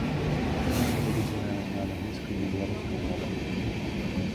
Кніга выдадзеная на англійскай і беларускай мовах.